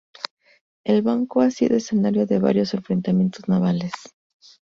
El banco ha sido escenario de varios enfrentamientos navales.